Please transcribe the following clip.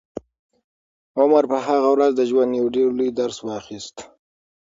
عمر په هغه ورځ د ژوند یو ډېر لوی درس واخیست.